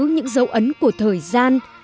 những dấu ấn của thời gian